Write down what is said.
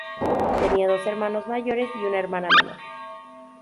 Tenía dos hermanos mayores y una hermana menor.